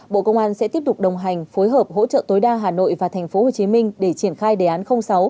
bộ công an sẽ tiếp tục đồng hành phối hợp hỗ trợ tối đa hà nội và tp hcm để triển khai đề án sáu